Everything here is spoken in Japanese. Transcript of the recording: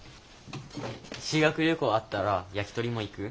修学旅行あったらヤキトリも行く？